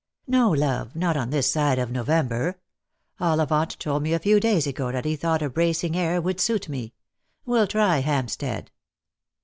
" No, love, not on this side of November. Ollivant told me a few days ago that he thought a bracing air would suit me. We'll try Hampstead."